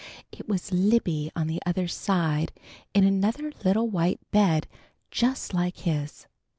It was Libby on the other side in another little white bed just like his.